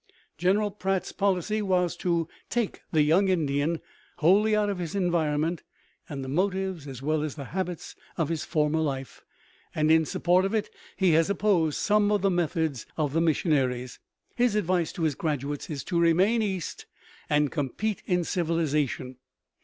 General Pratt's policy was to take the young Indian wholly out of his environment and the motives as well as the habits of his former life, and in support of it he has opposed some of the methods of the missionaries. His advice to his graduates is to remain east and compete in civilization.